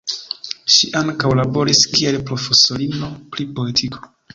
Ŝi ankaŭ laboris kiel profesorino pri poetiko.